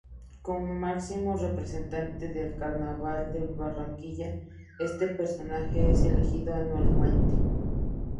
Como máximo representante del Carnaval de Barranquilla, este personaje es elegido anualmente.